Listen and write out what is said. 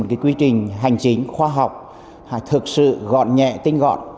một quy trình hành chính khoa học thực sự gọn nhẹ tinh gọn